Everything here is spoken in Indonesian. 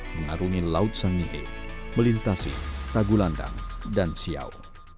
mengarungi laut sangihe melintasi tagulandang dan siau